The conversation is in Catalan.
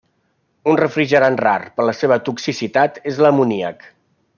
Un refrigerant rar, per la seva toxicitat, és l'amoníac.